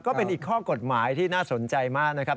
ก็เป็นอีกข้อกฎหมายที่น่าสนใจมากนะครับ